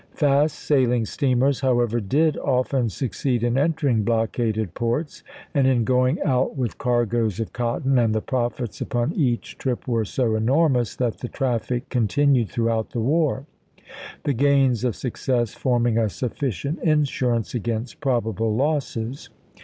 Fast sailing steamers, however, did often succeed in entering blockaded ports, and in going out with cargoes of cotton, and the profits upon each trip were so enormous that the traffic continued throughout the war ; the gains of success forming a sufficient insurance against probable losses.